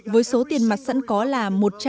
với số tiền mặt sẵn có là